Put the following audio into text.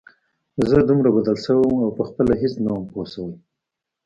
زه دومره بدل سوى وم او پخپله هېڅ نه وم پوه سوى.